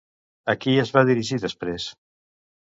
A qui es va dirigir després?